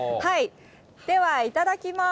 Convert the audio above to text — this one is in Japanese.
ではいただきます。